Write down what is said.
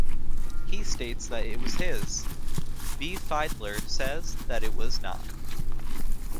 He states that it was his, Bea Fiedler says that it was not.